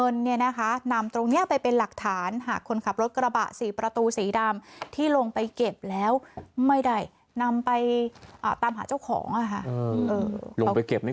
ลงไปเก็บไม่กลัวรถชนเลยเนอะ